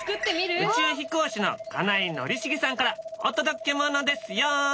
宇宙飛行士の金井宣茂さんからお届けものですよ。